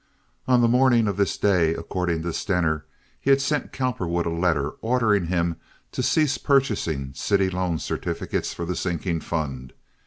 On the morning of this day, according to Stener, he had sent Cowperwood a letter ordering him to cease purchasing city loan certificates for the sinking fund.